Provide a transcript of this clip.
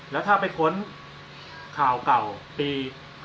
แล้วถ้าไปค้นข่าวเก่าปี๒๕๖